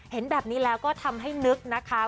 เห็นแบบนี้แล้วก็ทำให้นึกนะคะ